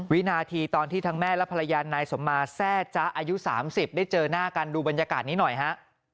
วินาทีตอนที่ทั้งแม่และภรรยานายสมมาแซ่จ๊ะอายุ๓๐ได้เจอหน้ากันดูบรรยากาศนี้หน่อยฮะ